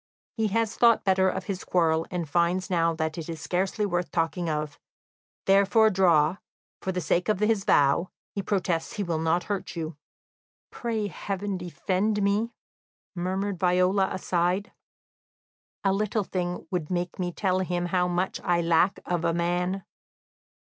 "He has thought better of his quarrel, and finds now that is scarcely worth talking of; therefore draw, for the sake of his vow; he protests he will not hurt you." "Pray heaven defend me," murmured Viola aside. "A little thing would make me tell them how much I lack of a man."